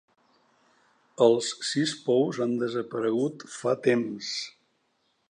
Els sis pous han desaparegut fa temps.